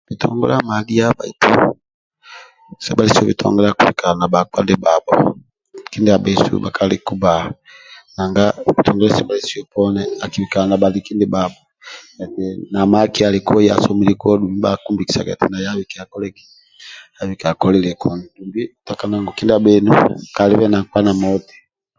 Bitongole amadhia baitu sebhalisio bitongole akibikaga na bhakpa ndibhabho bhakaliku bhesu bhkaliku bba nanga bhitongole sebhalisio poni akibikaga na bhakpa ndibhabho namaki asomili koi dumbi bhakimbikisaga eti naye abike akole eki abike akolilie kuni dumbi otakana eti kindia bhenu kalibe na nkpa na moti